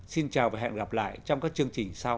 xin chào và hẹn gặp lại trong các chương trình sau